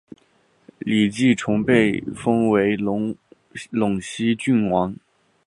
李继崇被封为陇西郡王。